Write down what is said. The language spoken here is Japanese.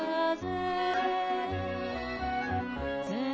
うん。